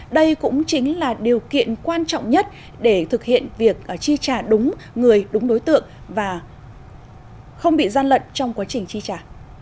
đây cũng chính là điều kiện quan trọng nhất để thực hiện việc chi trả đúng người đúng đối tượng và không bị gian lận trong quá trình chi trả